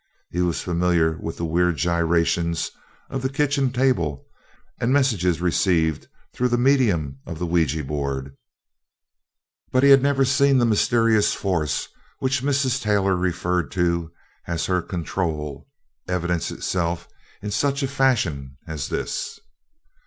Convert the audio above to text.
He was familiar with weird gyrations of the kitchen table, and messages received through the medium of the ouija board, but he never had seen the mysterious force which Mrs. Taylor referred to as her "control" evidence itself in any such fashion as this.